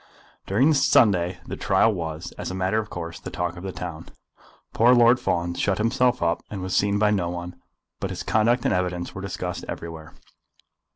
During the Sunday the trial was, as a matter of course, the talk of the town. Poor Lord Fawn shut himself up, and was seen by no one; but his conduct and evidence were discussed everywhere.